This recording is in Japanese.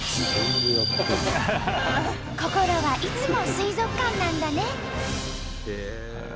心はいつも水族館なんだね！